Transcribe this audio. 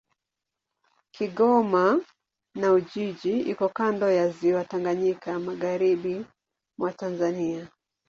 Kigoma na Ujiji iko kando ya Ziwa Tanganyika, magharibi mwa Tanzania.